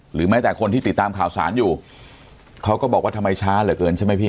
แม้แต่คนที่ติดตามข่าวสารอยู่เขาก็บอกว่าทำไมช้าเหลือเกินใช่ไหมพี่